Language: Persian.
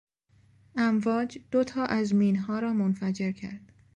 امواج دو تا از مینها را منفجر کرد.